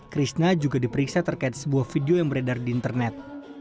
krishna juga diperiksa terkait sebuah video yang beredar di internet